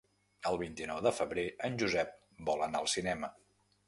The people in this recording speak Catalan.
El vint-i-nou de febrer en Josep vol anar al cinema.